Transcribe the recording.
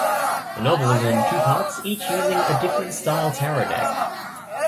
The novel is in two parts, each using a different style Tarot deck.